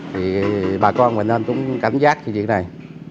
thì bà con mình nên cũng cảnh giác như vậy này